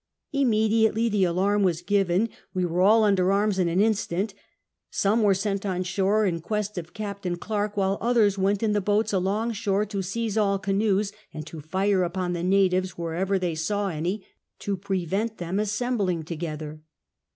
Immediately the alarm was given ; we were all under arms in an inskint ; some were sent on shore in quest of Captain Clcrke, while others went in the boats along shore to seize all canoes, and to fire ui)oii the natives wherever they saw any, to prevent them assembling together.